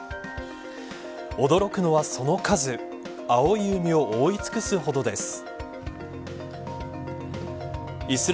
驚くのはその数青い海を覆い尽くすほどです。